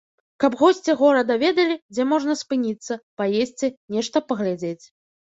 Каб госці горада ведалі, дзе можна спыніцца, паесці, нешта паглядзець.